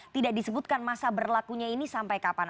tidak disebutkan masa berlakunya ini sampai kapan